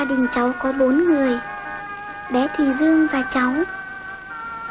mẹ cho cô lên không cô nga